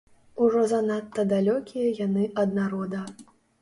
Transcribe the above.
Ужо занадта далёкія яны ад народа.